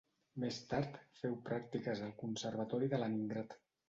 Més tard féu pràctiques al Conservatori de Leningrad.